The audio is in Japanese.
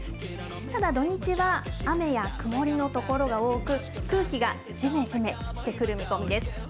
ただ、土日は雨や曇りの所が多く、空気がじめじめしてくる見込みです。